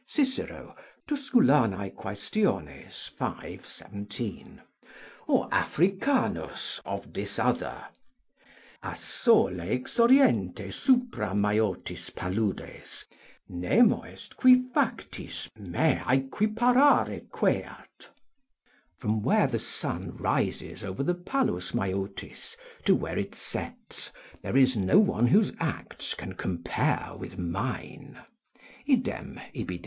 "Cicero, Tusc. Quaes., v. 17.] or Africanus, of this other, "A sole exoriente supra Maeotis Paludes Nemo est qui factis me aequiparare queat." ["From where the sun rises over the Palus Maeotis, to where it sets, there is no one whose acts can compare with mine" Idem, ibid.